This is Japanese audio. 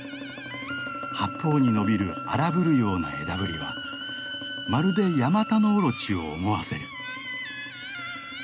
八方に伸びる荒ぶるような枝ぶりはまるでヤマタノオロチを思わせる。